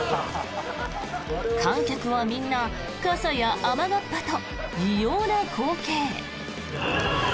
観客はみんな傘や雨がっぱと異様な光景。